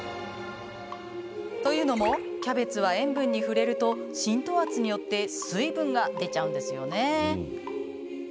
というのも、キャベツは塩分に触れると浸透圧によって水分が出ちゃうんですよね。